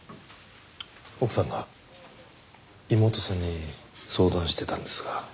奥さんが妹さんに相談してたんですが。